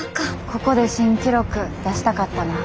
ここで新記録出したかったな。